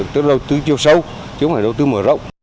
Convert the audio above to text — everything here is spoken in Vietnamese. tức là đầu tư chiều sâu chứ không phải đầu tư mở rộng